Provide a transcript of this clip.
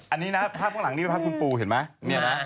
อันนี้นะภาพข้างหลังนี่เป็นภาพคุณปูเห็นไหม